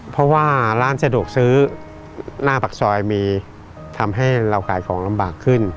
เพราะว่าร้านสะดวกซื้อหน้าปากซอยมีทำให้เราขายของลำบากขึ้น